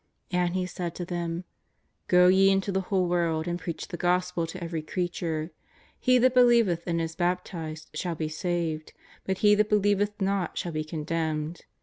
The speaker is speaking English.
And He said to them: " Go ye into the whole world and preach the Gos pel to every creature. He that believeth and is bap tised shall be saved, but He that believeth not shall be condemned.